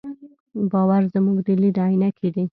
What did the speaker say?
باور زموږ د لید عینکې دي.